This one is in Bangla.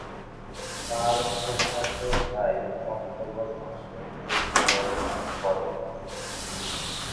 তার ফুফাতো ভাই অক্টোবর মাসে মৃত্যুবরণ করে।